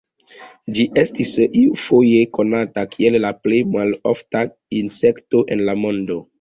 Ĝi estis iufoje konata kiel la plej malofta insekto en la mondo.